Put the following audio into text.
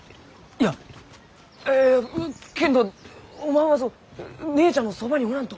いやいやけんどおまんは姉ちゃんのそばにおらんと！